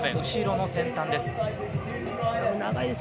後ろの先端です。